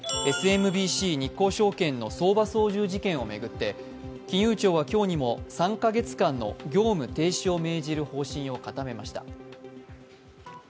ＳＭＢＣ日興証券の相場操縦事件を巡って金融庁は今日にも３か月間の業務停止を命じる方針を固めました。